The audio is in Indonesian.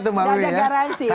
tidak ada garansi